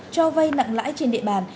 cho vay nặng lãi trên địa bàn